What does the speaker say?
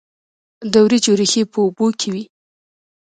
د وریجو ریښې په اوبو کې وي.